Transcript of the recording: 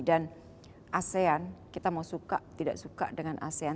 dan asean kita mau suka tidak suka dengan asean